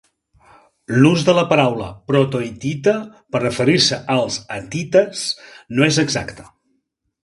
L'ús de la paraula "proto-hitita" per referir-se als hatites no és exacte.